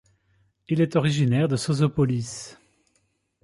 Il est originaire de Sozopolis.